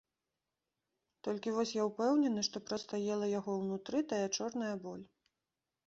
Толькі вось я ўпэўнены, што проста ела яго ўнутры тая чорная боль.